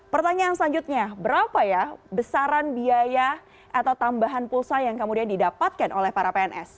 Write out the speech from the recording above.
pertanyaan selanjutnya berapa ya besaran biaya atau tambahan pulsa yang kemudian didapatkan oleh para pns